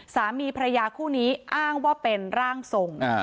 สามีภรรยาคู่นี้อ้างว่าเป็นร่างทรง